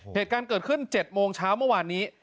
เหตุการณ์เกิดขึ้น๗โมงเช้าเมื่อวานนี้